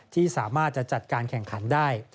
ที่สามารถจะจัดการแข่งขันได้